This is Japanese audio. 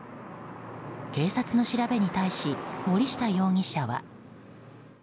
警察の調べに対し森下容疑者は。